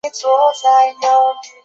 张时彻人。